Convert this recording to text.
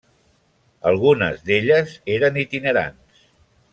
Algunes d'elles eren itinerants.